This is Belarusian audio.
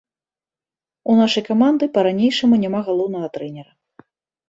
У нашай каманды па-ранейшаму няма галоўнага трэнера.